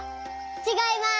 ちがいます。